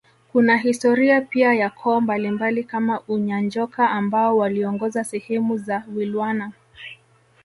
Kuna historia pia ya koo mbalimbali kama Unyanjoka ambao waliongoza sehemu za Wilwana